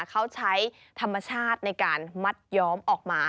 เขาใช้ธรรมชาติในการมัดย้อมออกมา